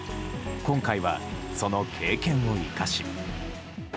今回は、その経験を生かし。